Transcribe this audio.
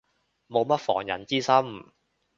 冇乜防人之心